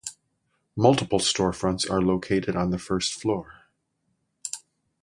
Multiple storefronts are located on the first floor.